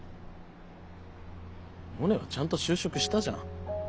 モネはちゃんと就職したじゃん。